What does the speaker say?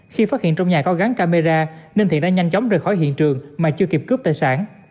khi phát hiện trong nhà có gắn camera nên thiện đã nhanh chóng rời khỏi hiện trường mà chưa kịp cướp tài sản